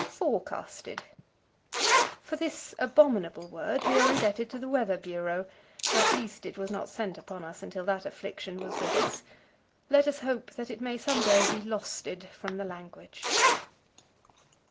Forecasted. For this abominable word we are indebted to the weather bureau at least it was not sent upon us until that affliction was with us. Let us hope that it may some day be losted from the language.